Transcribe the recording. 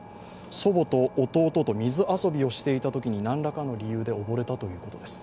祖母と弟と水遊びをしていたところ何らかの理由で溺れたということです。